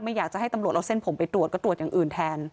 อยากจะให้ตำรวจเอาเส้นผมไปตรวจก็ตรวจอย่างอื่นแทน